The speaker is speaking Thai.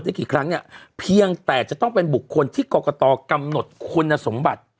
กี่ครั้งเนี่ยเพียงแต่จะต้องเป็นบุคคลที่กรกตกำหนดคุณสมบัติ